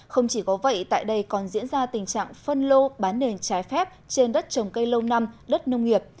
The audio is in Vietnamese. không chỉ có vậy tại đây còn diễn ra tình trạng phân lô bán nền trái phép trên đất trồng cây lâu năm đất nông nghiệp